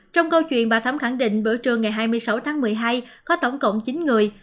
trong câu chuyện bà thấm khẳng định bữa trưa ngày hai mươi sáu tháng một mươi hai có tổng cộng chín người